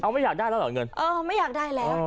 ไม่อยากได้แล้วเหรอเงินเออไม่อยากได้แล้ว